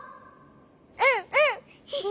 うんうん！